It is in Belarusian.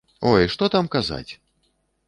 Ой, што там казаць!